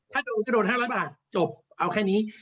ถ้าอู๋จะโดน๕๐๐บาทจบเอาแค่นี้